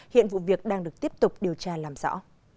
hiện vụ việc đang được tiếp tục điều tra làm rõ